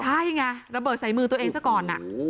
ใช่ไงระเบิดใส่มือตัวเองซะก่อน